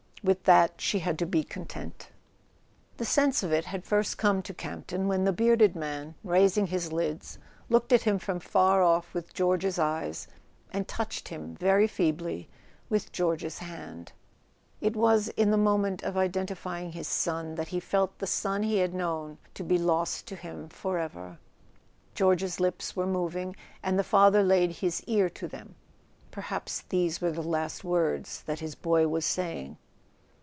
With that she had to be content. [ 279 ] A SON AT THE FRONT The sense of it had first come to Campton when the bearded man, raising his lids, looked at him from far off with George's eyes, and touched him, very feebly, with George's hand. It was in the moment of identify¬ ing his son that he felt the son he had known to be lost to him forever. George's lips were moving, and the father laid his ear to them; perhaps these were last words that his boy was saying.